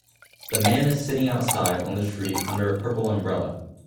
The man is sitting outside on the street under a purple umbrella